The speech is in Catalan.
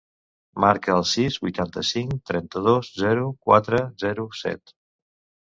Marca el sis, vuitanta-cinc, trenta-dos, zero, quatre, zero, set.